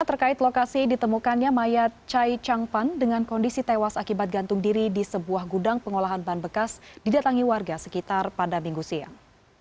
terkait lokasi ditemukannya mayat chai changpan dengan kondisi tewas akibat gantung diri di sebuah gudang pengolahan ban bekas didatangi warga sekitar pada minggu siang